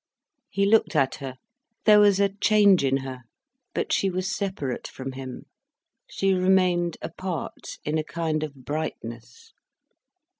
He looked at her. There was a change in her. But she was separate from him. She remained apart, in a kind of brightness.